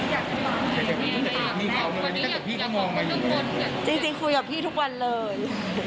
อยากจะพูดกับพี่อยากพูดกับพี่ทุกวันเลยจริงจริงคุยกับพี่ทุกวันเลย